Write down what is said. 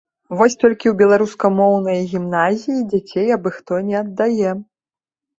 Вось толькі ў беларускамоўныя гімназіі дзяцей абы-хто не аддае.